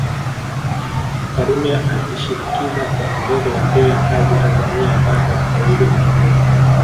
Karume alishinikiza kwa Nyerere wapewe kazi Tanzania Bara aweze kupumua